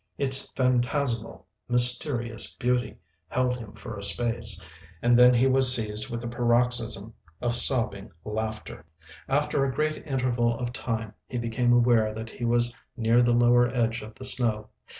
Its phantasmal, mysterious beauty held him for a space, and then he was seized with a paroxysm of sobbing laughter .... After a great interval of time he became aware that he was near the lower edge of the snow.